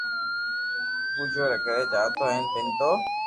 ڀيجو ري گھري جاتو ھين پينتو